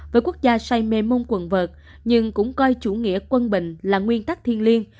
với quốc gia say mê mông quần vợt nhưng cũng coi chủ nghĩa quân bình là nguyên tắc thiên liêng